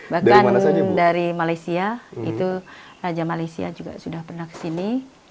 bahkan dari malaysia itu raja malaysia juga sudah pernah kesini